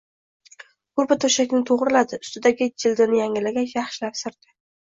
Koʻrpa-toʻshaklarni toʻgʻriladi, ustidagi jildini yangilagach, yaxshilab sirdi